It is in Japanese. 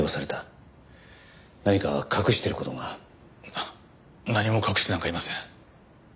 な何も隠してなんかいません。